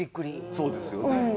そうですよね。